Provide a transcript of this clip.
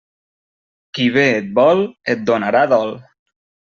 Qui bé et vol et donarà dol.